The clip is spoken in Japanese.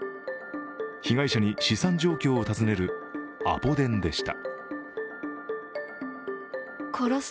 被害者に資産状況を尋ねるアポ電でした。